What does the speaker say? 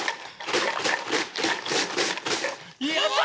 やった！